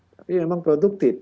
tapi memang produktif